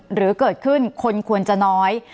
หรือเกิดขึ้นคนควรจะน้อย